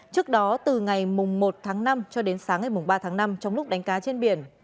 trước đó từ ngày một tháng năm cho đến sáng ngày ba tháng năm trong lúc đánh cá trên biển